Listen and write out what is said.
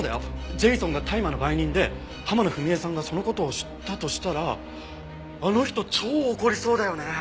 ジェイソンが大麻の売人で浜野文恵さんがその事を知ったとしたらあの人超怒りそうだよね！